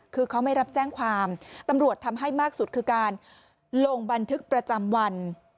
คือเขาไม่รับแจ้งความตำรวจทำให้มากสุดคือการลงบันทึกประจำวัน